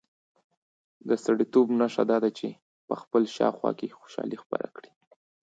د سړیتوب نښه دا ده چې په خپل شاوخوا کې خوشالي خپره کړي.